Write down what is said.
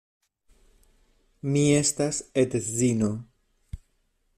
Mi estas edzino.